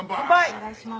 お願いします。